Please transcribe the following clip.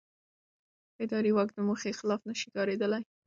اداري واک د موخې خلاف نه شي کارېدلی.